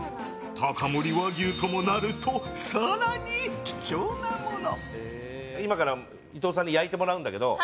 高森和牛ともなると更に貴重なもの。